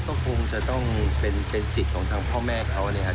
บอกว่าชอบยิงจะต้องเป็นสิทธิ์ของทั้งพ่อแม่เขา